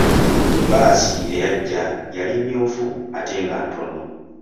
Bbaasi eyajja yali myufu ate nga ntono.